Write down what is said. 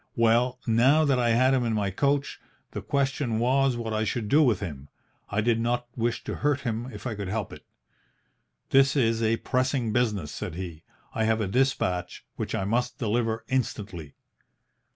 "Well, now that I had him in my coach, the question was what I should do with him. I did not wish to hurt him if I could help it. "'This is a pressing business,' said he. 'I have a despatch which I must deliver instantly.'